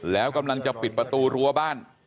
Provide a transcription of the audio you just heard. แล้วกำลังจะปิดประตูรั้วบ้าน